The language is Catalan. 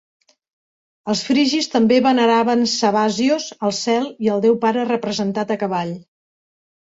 Els frigis també veneraven Sabazios, el cel i el déu pare representat a cavall.